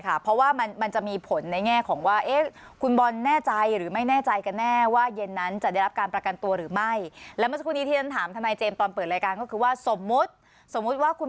แต่ว่าผมจะไปทำเดินเอกสารอะไรแล้วตอนอยู่ศาล